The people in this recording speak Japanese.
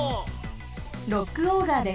ロックオーガーです。